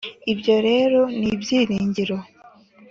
ibyo rero nibyiringiro